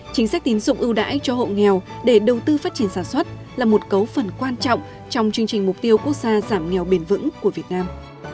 chính sách tín dụng ưu đãi cho hộ nghèo để đầu tư phát triển sản xuất là một cấu phần quan trọng trong chương trình mục tiêu quốc gia giảm nghèo bền vững của việt nam